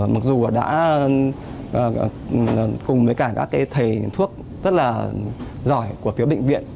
mặc dù đã cùng với cả các thầy thuốc rất là giỏi của phiếu bệnh viện